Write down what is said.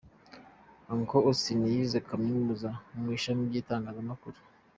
Uncle Ausstin yize Kaminuza mu ishami ry’itangazamakuru.